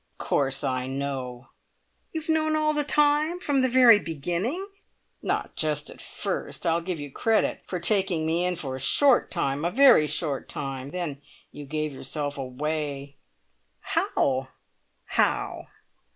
"Of course I know!" "You have known all the time? From the very beginning?" "Not just at first! I'll give you credit for taking me in for a short time a very short time! Then you gave yourself away." "How? How?"